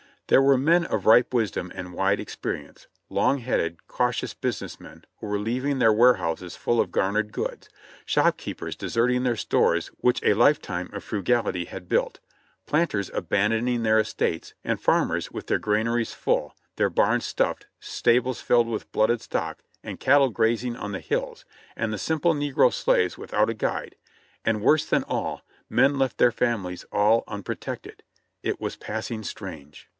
There were men of ripe wisdom and wide experience, long headed, cautious business men, who were leav ing their ware houses full of garnered goods, shop keepers de serting their stores which a life time of frugality had built, plant ers abandoning their estates, and farmers with their granaries full, their barns stulTed, stables filled with blooded stock, and cattle grazing on the hills, and the simple negro slaves without a guide — and, worse than all, men left their families all unpro tected. It was passing strange.